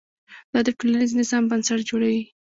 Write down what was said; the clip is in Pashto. دا د ټولنیز نظم بنسټ جوړوي.